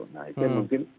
nah itu mungkin